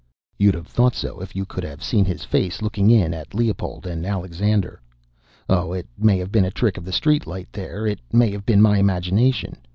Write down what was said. "You'd have thought so if you could have seen his face looking in at Leopold and Alexander. Oh, it may have been a trick of the streetlight there, it may have been my imagination.